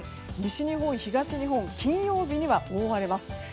西日本、東日本金曜日には覆われます。